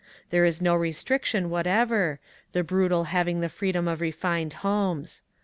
There is no restriction whatever, the brutal having the freedom of refined homes.